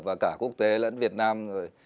và cả quốc tế lẫn việt nam rồi